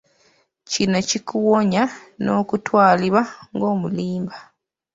Kino kikuwonya n'okutwalibwa ng'omulimba.